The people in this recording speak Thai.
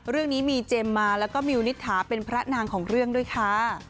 เรื่องนี้มีเจมส์มาแล้วก็มิวนิษฐาเป็นพระนางของเรื่องด้วยค่ะ